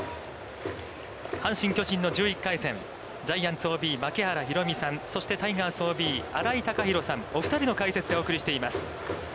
阪神、巨人の１１回戦、ジャイアンツＯＢ槙原寛己さん、そしてタイガースＯＢ新井貴浩さん、お二人の解説でお送りしています。